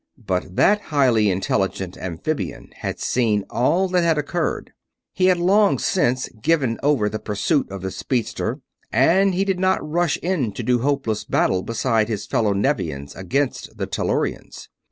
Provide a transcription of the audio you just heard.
But that highly intelligent amphibian had seen all that had occurred. He had long since given over the pursuit of the speedster, and he did not rush in to do hopeless battle beside his fellow Nevians against the Tellurians.